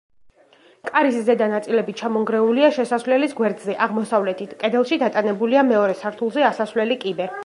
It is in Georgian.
კარის ზედა ნაწილები ჩამონგრეულია შესასვლელის გვერდზე, აღმოსავლეთით, კედელში დატანებულია მეორე სართულზე ასასვლელი კიბე.